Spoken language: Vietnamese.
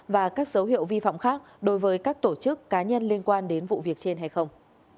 và các dấu hiệu vi phạm khác đối với các tổ chức cá nhân liên quan đến vụ việc trên hay không